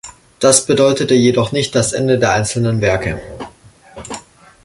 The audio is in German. Das bedeutete jedoch nicht das Ende der einzelnen Werke.